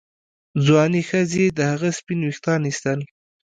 ځوانې ښځې د هغه سپین ویښتان ایستل.